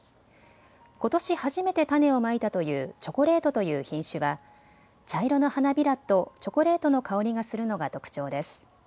ことし初めて種をまいたというチョコレートという品種は茶色の花びらとチョコレートの香りがするのが特徴です。